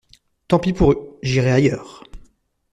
Tant pis pour eux, j'irai ailleurs.